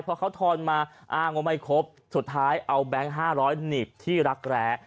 เพราะเขาทอนมาอ้างว่าไม่ครบสุดท้ายเอาแบงค์๕๐๐หนีบที่รักแร้